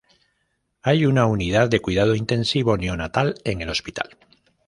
Hay una unidad de cuidado intensivo neonatal en el hospital.